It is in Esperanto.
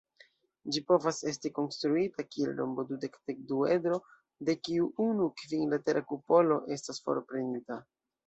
Ĝi povas esti konstruita kiel rombo-dudek-dekduedro de kiu unu kvinlatera kupolo estas forprenita.